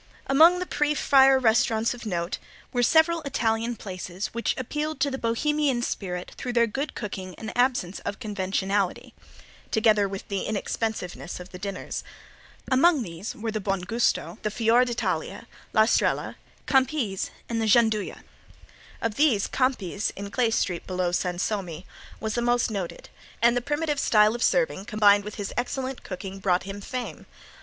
Among the pre fire restaurants of note were several Italian places which appealed to the Bohemian spirit through their good cooking and absence of conventionality, together with the inexpensiveness of the dinners. Among these were the Buon Gusto, the Fior d'Italia, La Estrella, Campi's and the Gianduja. Of these Campi's, in Clay street below Sansome, was the most noted, and the primitive style of serving combined with his excellent cooking brought him fame.